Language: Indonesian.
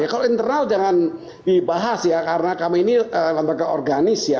kalau internal jangan dibahas ya karena kami ini lembaga organis ya